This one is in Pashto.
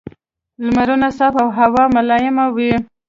لمرونه صاف او هوا ملایمه وه.